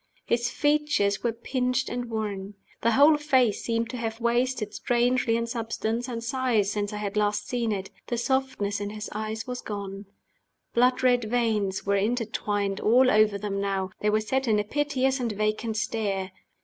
His features were pinched and worn; the whole face seemed to have wasted strangely in substance and size since I had last seen it. The softness in his eyes was gone. Blood red veins were intertwined all over them now: they were set in a piteous and vacant stare.